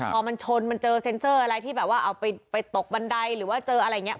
พอมันชนมันเจอเซ็นเซอร์อะไรที่แบบว่าเอาไปตกบันไดหรือว่าเจออะไรอย่างนี้